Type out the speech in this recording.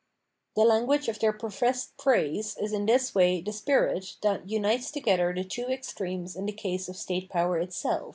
The language of their professed praise is in this way the spirit that unites together the two extremes in the case of state power itseK.